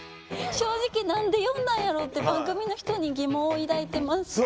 正直何で呼んだんやろう？って番組の人に疑問を抱いてます。